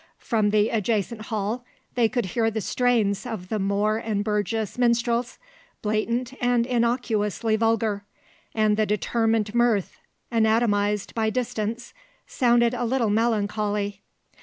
From the adjacent hall they could hear the strains of the Moore & Burgess Minstrels, blatant and innocuously vulgar; and the determined mirth, anatomized by distance, sounded a little melancholy.